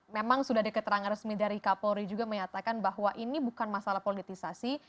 memang sudah ada keterangan resmi dari kapolri juga menyatakan bahwa ini bukan masalah politisasi